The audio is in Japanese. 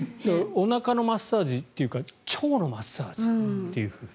おなかのマッサージというか腸のマッサージというふうに。